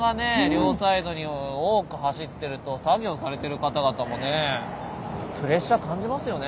両サイドに多く走ってると作業されてる方々もねプレッシャー感じますよね。